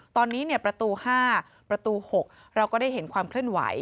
ตอนนี้ประตู๕ประตู๖เราก็ได้เห็นความเคลื่อนไหว